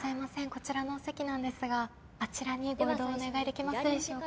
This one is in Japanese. こちらのお席なんですがあちらにご移動をお願いできますでしょうか。